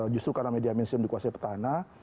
justru karena media mainstream dikuasai petahana